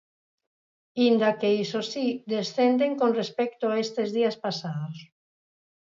Inda que iso si, descenden con respecto a estes días pasados.